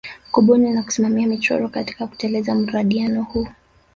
Kubuni na kusimamia michoro katika kutelekeza mradio huu